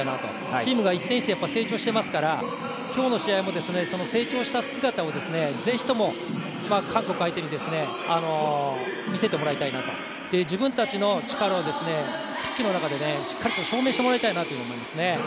チームが一戦一戦成長していますから、今日の試合もその成長した姿をぜひとも韓国相手に見せてもらいたいなと、自分たちの力をピッチの中でしっかりと証明してもらいたいなと思いますね。